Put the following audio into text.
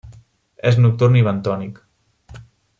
És nocturn i bentònic.